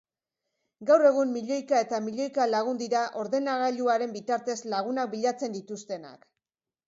Gaur egun milloika eta milloika lagun dira ordenagailuaren bitartez lagunak bilatzen dituztenak.